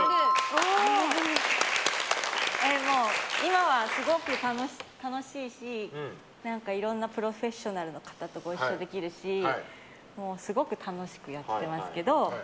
今は、すごく楽しいしいろんなプロフェッショナルの方とご一緒できるしすごく楽しくやってますけど。